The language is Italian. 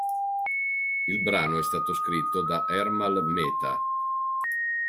Il brano è stato scritto da Ermal Meta.